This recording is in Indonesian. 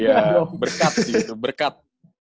iya berkat gitu berkat